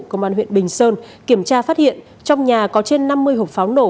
công an huyện bình sơn kiểm tra phát hiện trong nhà có trên năm mươi hộp pháo nổ